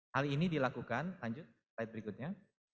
hal ini dilakukan lanjut slide berikutnya